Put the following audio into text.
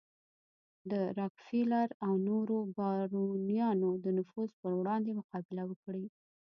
د راکفیلر او نورو بارونیانو د نفوذ پر وړاندې مقابله وکړي.